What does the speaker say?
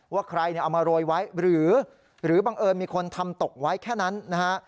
ว่าใครเอามาโรยไว้หรือบังเอิญมีคนทำตกไว้แค่นั้นนะฮะ